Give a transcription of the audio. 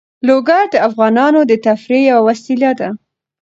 لوگر د افغانانو د تفریح یوه وسیله ده.